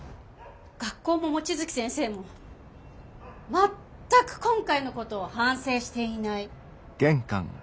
学校も望月先生も全く今回の事を反省していない。